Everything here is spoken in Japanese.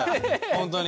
本当に。